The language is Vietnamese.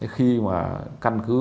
khi mà căn cứ